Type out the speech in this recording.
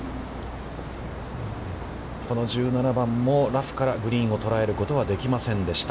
この１７番もラフからグリーンを捉えることはできませんでした。